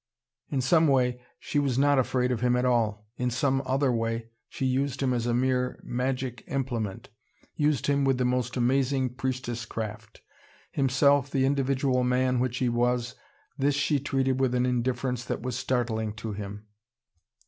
In some way, she was not afraid of him at all. In some other way she used him as a mere magic implement, used him with the most amazing priestess craft. Himself, the individual man which he was, this she treated with an indifference that was startling to him.